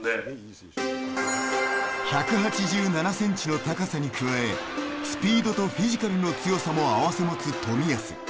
１８７ｃｍの高さに加えスピードとフィジカルの強さも併せ持つ冨安。